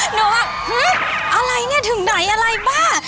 หนูแบบอะไรเนี่ยถึงไหนอะไรบ้า